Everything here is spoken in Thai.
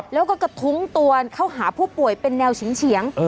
แล้วก็กระทุ้งตัวเข้าหาผู้ป่วยเป็นแนวเฉียง